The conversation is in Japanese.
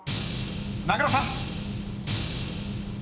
［名倉さん］